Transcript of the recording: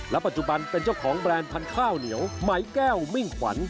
ปัจจุบันเป็นเจ้าของแบรนด์พันธุ์ข้าวเหนียวไหมแก้วมิ่งขวัญ